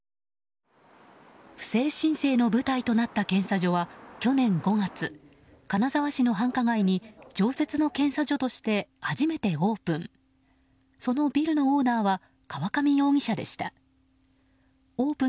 不正申請の舞台となった検査所は去年５月金沢市の繁華街に常設の検査所として初めてオープン。